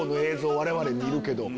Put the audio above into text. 我々見るけど。